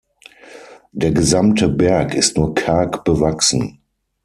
Der gesamte Berg ist nur karg bewachsen.